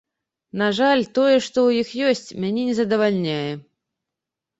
На жаль, тое, што ў іх ёсць, мяне не задавальняе.